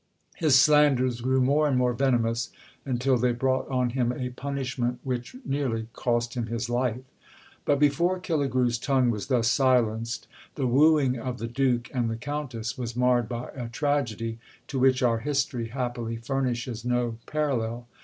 His slanders grew more and more venomous until they brought on him a punishment which nearly cost him his life. But before Killigrew's tongue was thus silenced, the wooing of the Duke and the Countess was marred by a tragedy, to which our history happily furnishes no parallel.